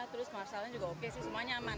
terus marshall nya juga oke sih semua nyaman